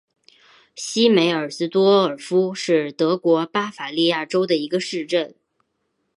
西梅尔斯多尔夫是德国巴伐利亚州的一个市镇。